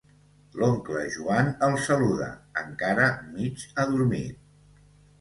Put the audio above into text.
L'oncle Joan el saluda, encara mig adormit.